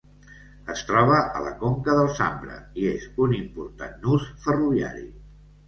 Es troba a la conca del Sambre i és un important nus ferroviari.